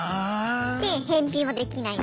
で返品はできない。